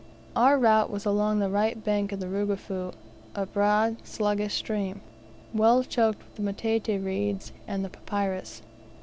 Our route was along the right bank of the Rugufu, a broad sluggish stream, well choked with the matete reeds and the papyrus.